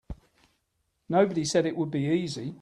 Nobody said it would be easy.